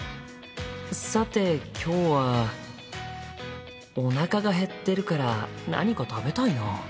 さて今日はおなかが減ってるから何か食べたいな。